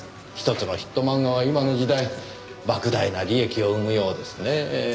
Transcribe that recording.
１つのヒット漫画は今の時代莫大な利益を生むようですねぇ。